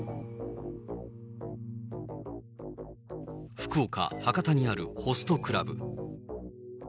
福岡・博多にあるホストクラブ。